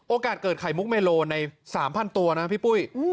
เกิดไข่มุกเมโลใน๓๐๐ตัวนะพี่ปุ้ย